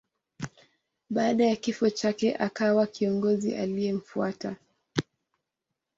Baada ya kifo chake akawa kiongozi aliyemfuata.